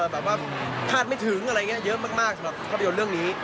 แบบว่าคาดไม่ถึงอะไรอย่างนี้เยอะมากสำหรับภาพยนตร์เรื่องนี้